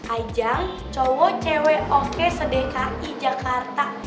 ajang cowok cewek oke sedekai jakarta